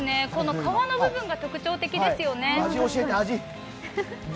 皮の部分が特徴的ですよね。